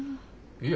いや。